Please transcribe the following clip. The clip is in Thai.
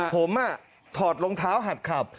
ผมถอดรองเท้าหัดขับ